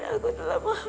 jangan ikut pengalaman yang